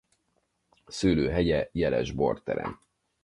Szőlőhegye jeles bort terem.